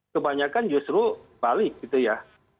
kebanyakan justru balik gitu ya